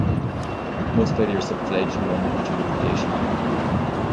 Most failures to fledge young are due to predation.